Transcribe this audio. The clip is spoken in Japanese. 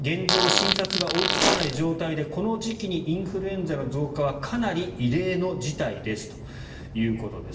現状、診察が追いつかない状態でこの時期にインフルエンザの増加はかなり異例の事態ですということです。